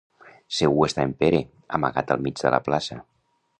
Segur està en Pere, amagat al mig de la plaça.